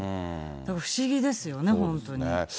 だから不思議ですよね、本当に。